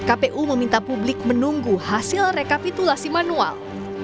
kpu meminta publik menunggu hasil rekapitulasi manual